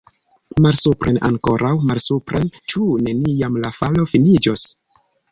Malsupren, ankoraŭ malsupren! Ĉu neniam la falo finiĝos?